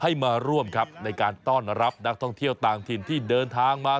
มาร่วมครับในการต้อนรับนักท่องเที่ยวต่างถิ่นที่เดินทางมา